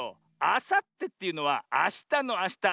あさってっていうのはあしたのあした。